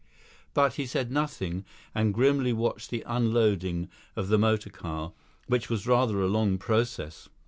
But he said nothing and grimly watched the unloading of the motor car, which was rather a long process.